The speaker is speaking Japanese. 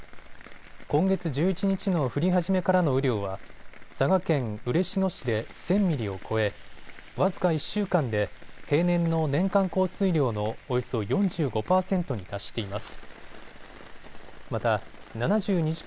今月１１日の降り始めからの雨量は佐賀県嬉野市で１０００ミリを超え、僅か１週間で平年の年間降水量のおよそ４５％に達しています。